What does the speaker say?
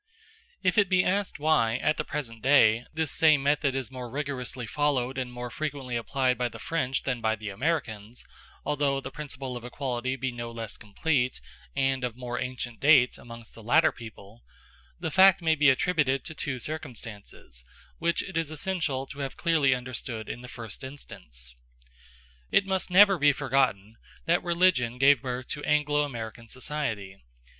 If it be asked why, at the present day, this same method is more rigorously followed and more frequently applied by the French than by the Americans, although the principle of equality be no less complete, and of more ancient date, amongst the latter people, the fact may be attributed to two circumstances, which it is essential to have clearly understood in the first instance. It must never be forgotten that religion gave birth to Anglo American society.